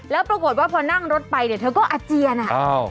แล้วปรากฏว่าพอนั่งรถไปเนี่ยเธอก็อาเจียนอ่ะอ้าว